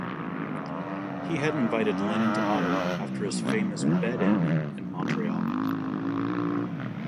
He had invited Lennon to Ottawa after his famous "bed-in" in Montreal.